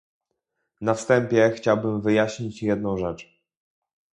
Na wstępie chciałbym wyjaśnić jedną rzecz